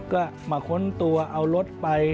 ก็มาค้นตัวเอารถไป